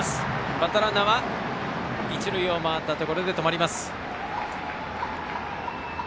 バッターランナーは一塁を回ったところで止まります。